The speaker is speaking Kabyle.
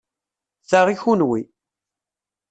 Ta i kenwi.